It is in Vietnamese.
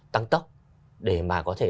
tăng tốc để mà có thể